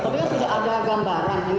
tapi sudah ada gambaran